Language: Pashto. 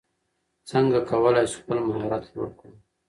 څنګه کولای سو خپل مهارت لوړ کړو؟